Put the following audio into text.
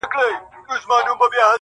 • را لېږلي یاره دا خلګ خزان دي ..